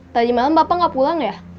tadi malam bapak nggak pulang ya